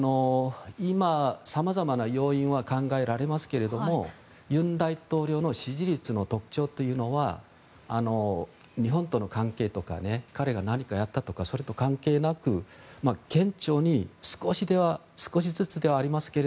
今、様々な要因が考えられますが尹大統領の支持率の特徴というのは日本との関係とか彼が何かやったとかそれと関係なく顕著に少しずつではありますが